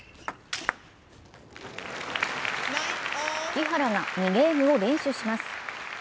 木原が２ゲームを連取します。